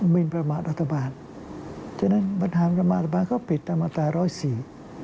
มีประมาณรัฐบาลฉะนั้นปัญหาประมาณรัฐบาลเขาผิดประมาณ๑๐๔